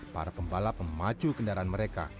para pembalap memacu kendaraan mereka